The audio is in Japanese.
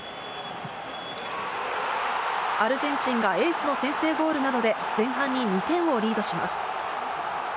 アルゼンチンがエースの先制ゴールなどで、前半に２点をリードします。